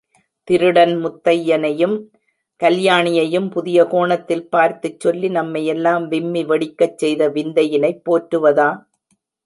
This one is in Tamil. திருடன் முத்தையனையும் கல்யாணியையும் புதிய கோணத்தில் பார்த்துச் சொல்லி நம்மையெல்லாம் விம்மி வெடிக்கச் செய்த விந்தையினைப் போற்றுவதா?